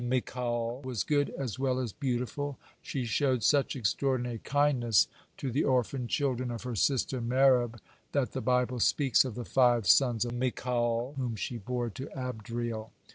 Michal was good as well as beautiful; she showed such extraordinary kindness to the orphan children of her sister Merab that the Bible speaks of the five sons of Michal "whom she bore to Adriel."